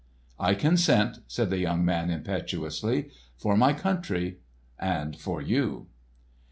"I consent!" said the young man impetuously. "For my country—and for you!"